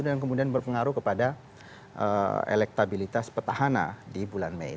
dan kemudian berpengaruh kepada elektabilitas petahana di bulan mei